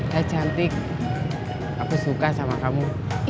saya cantik aku suka sama kamu